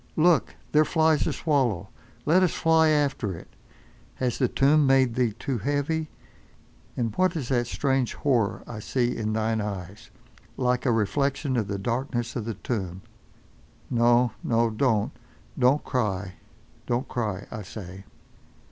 Look! there flies a swallow—let us fly after it! Has the tomb made thee too heavy? And what is that strange horror I see in thine eyes—like a reflection of the darkness of the tomb? No, no, don't! Don't cry. Don't cry, I say!